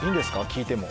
聞いても。